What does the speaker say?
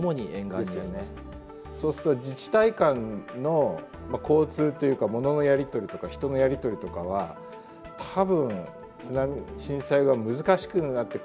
そうすると自治体間の交通というか物のやり取りとか人のやり取りとかは多分震災は難しくなって孤立することになると思います。